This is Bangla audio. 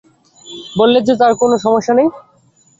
বললো যে তার কোন সমস্যা নেই।